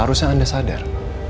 seharusnya anda sadar